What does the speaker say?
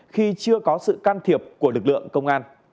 khi chưa có sự can thiệp của lực lượng công an